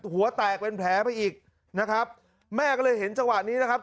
หัวแตกเป็นแผลไปอีกนะครับแม่ก็เลยเห็นจังหวะนี้นะครับ